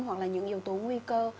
hoặc là những yếu tố nguy cơ